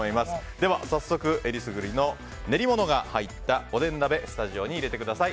では早速えりすぐりの練り物が入ったおでん鍋スタジオに入れてください。